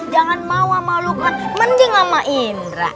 jangan malu malukan mending sama indra